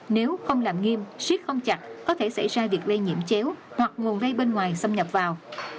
nếu không làm nghiêm siết không chặt có thể xảy ra việc lây nhiễm chéo hoặc ngồi ngay bên ngoài xâm nhập vào